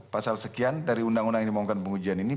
pasal sekian dari undang undang yang dimohonkan pengujian ini